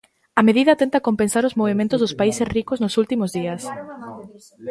A medida tenta compensar os movementos dos países ricos nos últimos días.